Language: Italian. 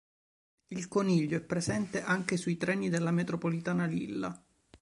Il coniglio è presente anche sui treni della metropolitana di Lilla.